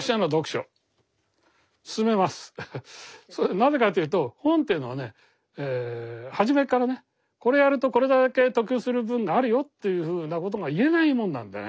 なぜかというと本というのはね初めっからねこれをやるとこれだけ得する分があるよというふうなことが言えないもんなんでね。